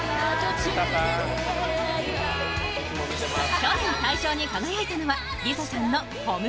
去年、大賞に輝いたのはＬｉＳＡさんの「炎」。